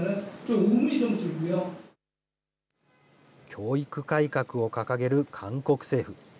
教育改革を掲げる韓国政府。